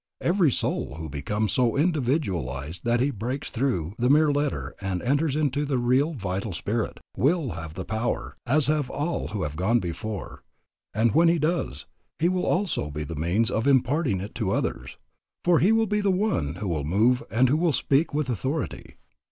Every soul who becomes so individualized that he breaks through the mere letter and enters into the real vital spirit, will have the power, as have all who have gone before, and when he does, he will also be the means of imparting it to others, for he will be one who will move and who will speak with authority.